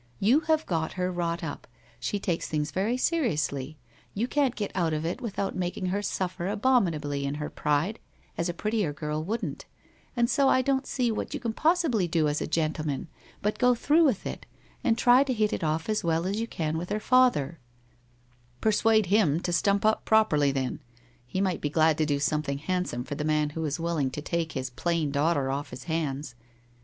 You have got her wrought up — she takes things very seriously — you can't get out of it without making her suffer abominably in her pride, as a prettier girl wouldn't, and so I don't see what you can possibly do as a gentleman, but go through with it, and try to hit it off as well as you can with her father/ ' Persuade him to stump up properly, then. He might be glad to do something handsome for the man who is willing to take his plain daughter off his hands.